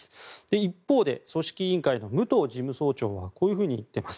一方で組織委員会の武藤事務総長はこう言っています。